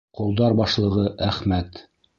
Ҡолдар башлығы Әхмәт: